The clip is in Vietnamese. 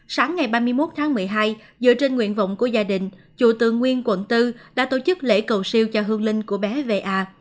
sáng ngày ba mươi một tháng một mươi hai dựa trên nguyện vọng của gia đình chùa tự nguyên quận bốn đã tổ chức lễ cầu siêu cho hương linh của bé về a